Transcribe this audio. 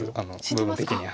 部分的には。